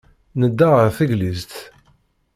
Nedda ɣer teglizt.